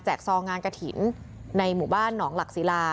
ซองงานกระถิ่นในหมู่บ้านหนองหลักศิลา